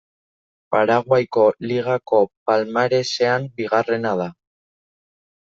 Paraguaiko ligako palmaresean bigarrena da.